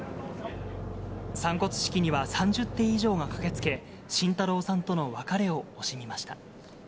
散骨式には、３０艇以上が駆けつけ、慎太郎さんとの別れを惜しみました。